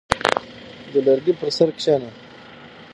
• د لرګي پر سر کښېنه.